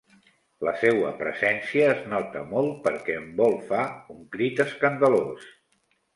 La seua presència es nota molt perquè en vol fa un crit escandalós.